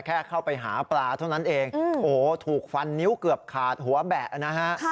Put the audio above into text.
เข้าไปหาปลาเท่านั้นเองโอ้โหถูกฟันนิ้วเกือบขาดหัวแบะนะฮะ